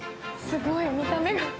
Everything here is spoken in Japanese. すごい、見た目が。